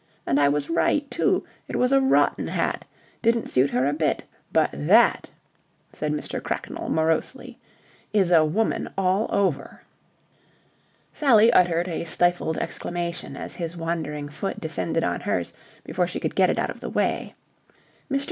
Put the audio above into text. And I was right, too. It was a rotten hat. Didn't suit her a bit. But that," said Mr. Cracknell, morosely, "is a woman all over!" Sally uttered a stifled exclamation as his wandering foot descended on hers before she could get it out of the way. Mr.